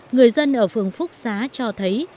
người dân ở phường phúc xá cho thấy